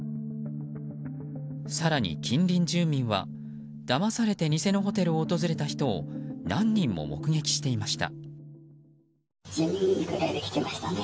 更に近隣住民は、だまされて偽のホテルを訪れた人を何人も目撃していました。